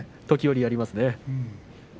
時折やりますね。